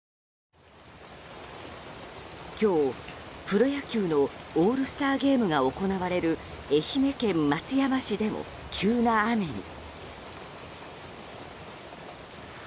今日、プロ野球のオールスターゲームが行われる愛媛県松山市でも急な雨に。